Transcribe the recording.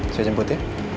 saya jemput ya